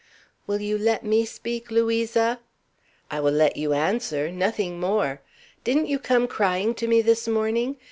"Will you let me speak, Louisa?" "I will let you answer nothing more. Didn't you come crying to me this morning?